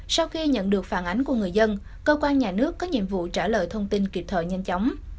sau khi nhận được phản ánh của người dân cơ quan nhà nước có nhiệm vụ trả lời thông tin kịp thợ nhanh chóng